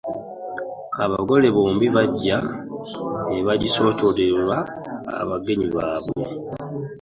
Abagole bombi bajja ne bagisoosootolera abagenyi baabwe.